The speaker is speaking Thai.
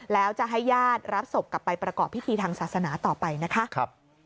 แล้วจะให้ญาติรับศพกลับไปประกอบพิธีทางศาสนาต่อไปนะคะ